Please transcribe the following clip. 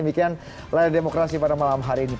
demikian layar demokrasi pada malam hari ini